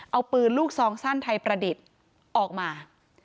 เอาปืนลูกซองสั้นไทยประดิษฐ์ออกมา